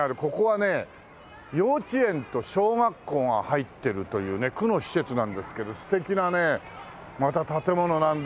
幼稚園と小学校が入ってるというね区の施設なんですけど素敵なねまた建物なんですよ